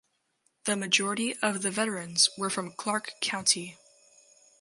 The majority of the veterans were from Clark County.